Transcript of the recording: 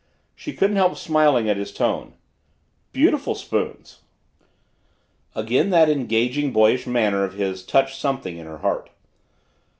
She couldn't help smiling at his tone. "Beautiful spoons." Again that engaging, boyish manner of his touched something in her heart.